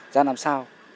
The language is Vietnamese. ra làm sao